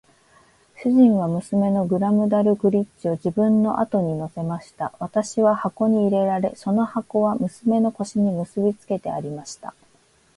主人は娘のグラムダルクリッチを自分の後に乗せました。私は箱に入れられ、その箱は娘の腰に結びつけてありました。